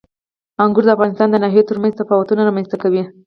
انګور د افغانستان د ناحیو ترمنځ تفاوتونه رامنځته کوي.